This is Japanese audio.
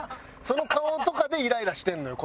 その顔とかでイライラしてんのよ